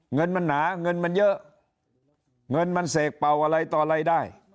เงินมันหนาเงินมันเยอะเงินมันเสกเป่าอะไรต่ออะไรได้